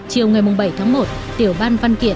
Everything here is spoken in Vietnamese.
chiều ngày bảy tháng một